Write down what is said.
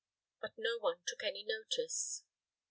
But no one took any notice.